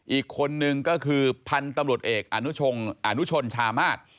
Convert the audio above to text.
อีกคนนึงก็คือพันธุ์ตำรวจเอกอนุชงอนุชนชามาศ